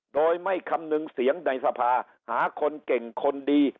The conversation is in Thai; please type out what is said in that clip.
โดยไม่คำนึงเสียงในสภาหาคนเก่งคนดี